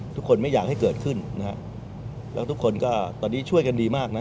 ไม่อยากให้เกิดขึ้นนะฮะแล้วทุกคนก็ตอนนี้ช่วยกันดีมากนะ